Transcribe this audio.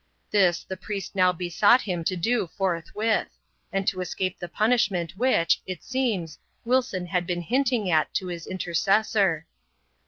This, the priest now: besought him to do forthwith; and to escape the punishment which, it seems, Wilson had been hinting at to his intercessor.